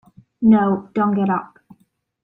No, don't get up.